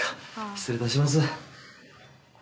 失礼いたします